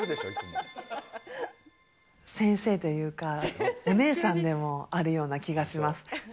先生というか、お姉さんでもあるような気がします。